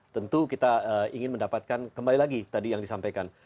tentu kita ingin mendapatkan kembali lagi tadi yang disampaikan